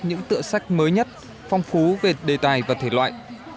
những tựa sách mới nhất phong phú về đề tài và thể loại